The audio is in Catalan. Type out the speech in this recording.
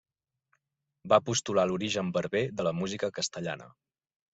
Va postular l'origen berber de la música castellana.